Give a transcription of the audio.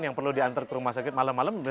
yang perlu diantar ke rumah sakit malam malam